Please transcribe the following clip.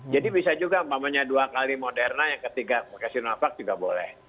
jadi bisa juga mamanya dua kali moderna yang ketiga pakai sinovac juga boleh